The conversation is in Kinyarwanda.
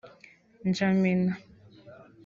N’Djamena